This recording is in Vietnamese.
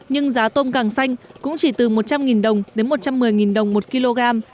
nhưng giá tôm càng xanh cũng chỉ từ một trăm linh đồng đến một trăm một mươi đồng